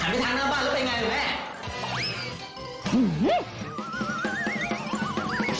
หันไปทางหน้าบ้านแล้วเป็นอย่างไรแม่